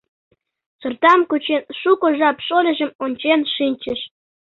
Сортам кучен, шуко жап шольыжым ончен шинчыш.